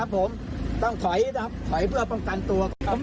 ผมต้องขอยนะครับขอยเพื่อปังกันตัว